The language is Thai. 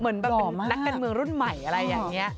เหมือนแบบนักการเมืองรุ่นใหม่อะไรอย่างนี้